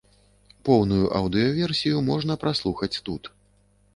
Поўную аўдыёверсію можна праслухаць тут.